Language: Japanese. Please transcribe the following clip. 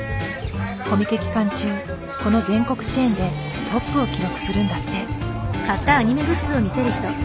コミケ期間中この全国チェーンでトップを記録するんだって。